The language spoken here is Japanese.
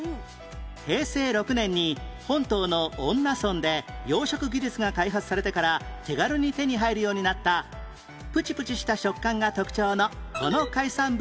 平成６年に本島の恩納村で養殖技術が開発されてから手軽に手に入るようになったプチプチした食感が特徴のこの海産物の名前は？